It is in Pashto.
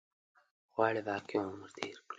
غواړي باقي عمر تېر کړي.